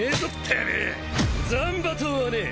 斬馬刀はねえ！